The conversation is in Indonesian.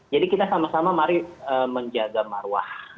jadi kita sama sama mari menjaga maruah